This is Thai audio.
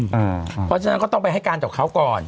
เพราะฉะนั้นก็ต้องไปให้การต่อเขาก่อน